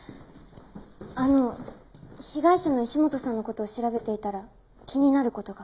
あの被害者の石本さんの事を調べていたら気になる事が。